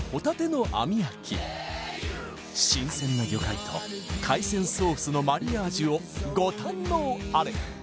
新鮮な魚介と海鮮ソースのマリアージュをご堪能あれ！